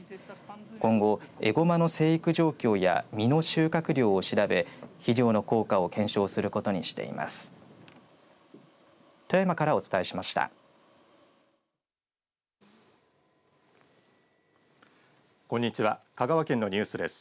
今後、えごまの成育状況や実の収穫量を調べ肥料の効果を検証することにしています。